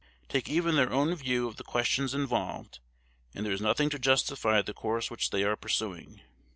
Take even their own view of the questions involved, and there is nothing to justify the course which they are pursuing.